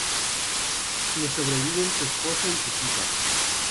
Le sobreviven su esposo y sus hijas.